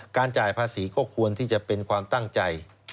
จ่ายภาษีก็ควรที่จะเป็นความตั้งใจ